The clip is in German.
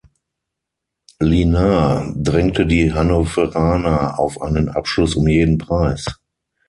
Lynar drängte die Hannoveraner auf einen Abschluss um jeden Preis.